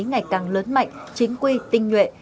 ngày càng lớn mạnh chính quy tinh nguyện